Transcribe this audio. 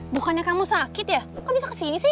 bukannya kamu sakit ya kamu bisa kesini sih